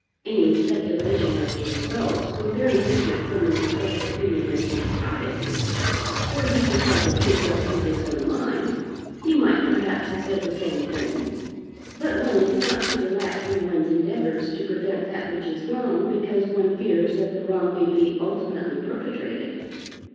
Any speculation as to results were very different from an expressed opinion as to propriety. Were he to tell the truth as to his own mind, he might perhaps have said the same thing. But one is not to relax in one's endeavours to prevent that which is wrong, because one fears that the wrong may be ultimately perpetrated.